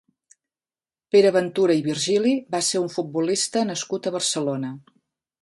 Pere Ventura i Virgili va ser un futbolista nascut a Barcelona.